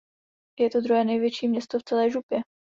Je to druhé největší město v celé župě.